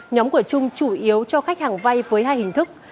nhóm của trung chủ yếu cho khách hàng vay với hai hình thức